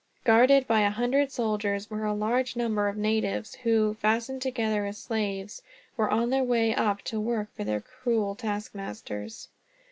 Guarded by a hundred soldiers were a large number of natives; who, fastened together as slaves, were on their way up to work for their cruel taskmasters.